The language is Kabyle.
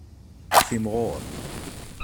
Timɣur.